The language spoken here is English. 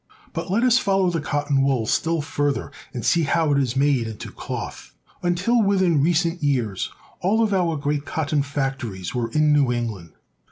But let us follow the cotton wool still further, and see how it is made into cloth. Until within recent years all of our great cotton factories were in New England.